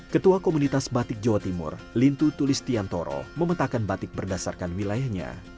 ketua komunitas batik jawa timur lintu tulis tiantoro memetakkan batik berdasarkan wilayahnya